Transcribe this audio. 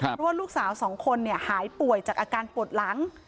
เพราะว่าลูกสาวสองคนหายป่วยจากอาการปวดหลัง